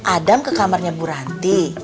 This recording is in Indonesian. adam ke kamarnya bu ranti